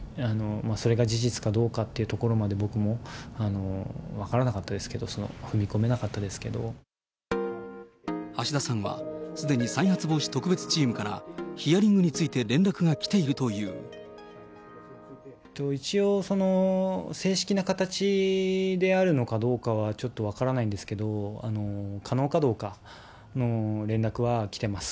それが事実かどうかっていうところまで僕も分からなかったですけど、橋田さんは、すでに再発防止特別チームからヒアリングについて連絡が来ている一応、正式な形であるのかどうかはちょっと分からないんですけど、可能かどうかの連絡は来てます。